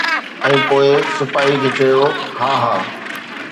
۽ پوءِ سپاهيءَ کي چيو ”ها ها.